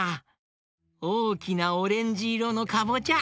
おおきなオレンジいろのかぼちゃ